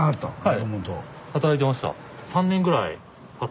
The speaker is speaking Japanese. はい。